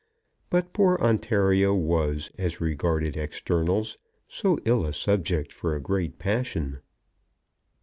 But poor Ontario was, as regarded externals, so ill a subject for a great passion!